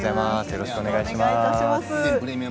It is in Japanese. よろしくお願いします。